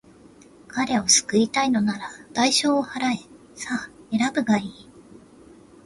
彼を救いたいのなら、代償を払え。さあ、選ぶがいい。